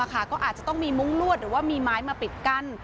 ก็อาจจะต้องมีมุ้งลวดหรือว่ามีไม้มาปิดกั้น